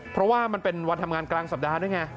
เพราะว่ามันเป็นวันทำงานกลางสัปดาห์ด้วยไง